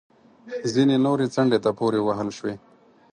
ځینې نورې څنډې ته پورې وهل شوې